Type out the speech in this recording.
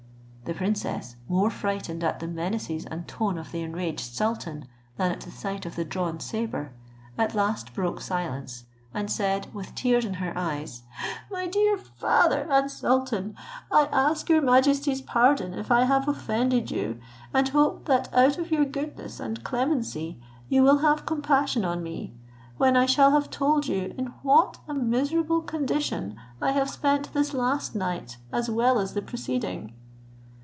The princess, more frightened at the menaces and tone of the enraged sultan than at the sight of the drawn sabre, at last broke silence, and said with tears in her eyes, "My dear father and sultan, I ask your majesty's pardon if I have offended you, and hope, that out of your goodness and clemency you will have compassion on me, when I shall have told you in what a miserable condition I have spent this last night, as well as the preceding."